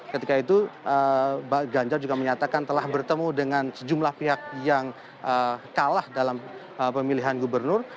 ketika itu ganjar juga menyatakan telah bertemu dengan sejumlah pihak yang kalah dalam pemilihan gubernur